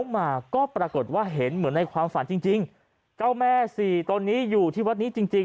มาก็ปรากฏว่าเห็นเหมือนในความฝันจริงจริงเจ้าแม่สี่ตนนี้อยู่ที่วัดนี้จริงจริง